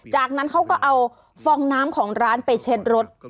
จากนั้นเขาก็เอาฟองน้ำของร้านไปเช็ดรถ